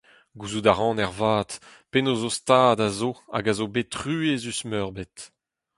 Gouzout a ran ervat penaos ho stad a zo hag a zo bet truezus-meurbet.